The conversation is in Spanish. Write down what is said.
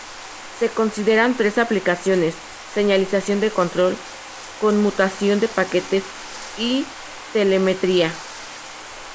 Se consideran tres aplicaciones: señalización de control, conmutación de paquetes, y telemetría.